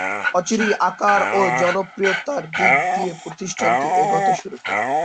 অচিরেই আকার ও জনপ্রিয়তার দিক দিয়ে প্রতিষ্ঠানটি এগোতে শুরু করে।